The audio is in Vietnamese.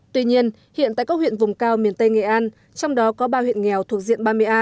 tuy nhiên hiện tại các huyện vùng cao miền tây nghệ an trong đó có ba huyện nghèo thuộc diện ba mươi a